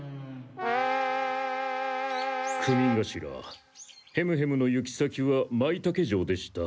組頭ヘムヘムの行き先はマイタケ城でした。